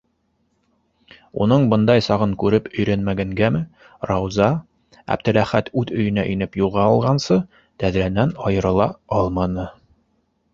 Уның бындай сағын күреп өйрәнмәгәнгәме, Рауза Әптеләхәт үҙ өйөнә инеп юғалғансы тәҙрәнән айырыла алманы...